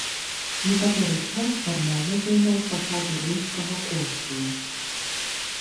Некаторы час фармальна займаў пасаду рымскага консула.